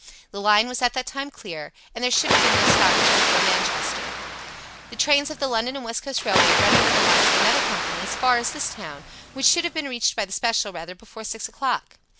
The line was at that time clear, and there should have been no stoppage before Manchester. The trains of the London and West Coast Railway run over the lines of another company as far as this town, which should have been reached by the special rather before six o'clock.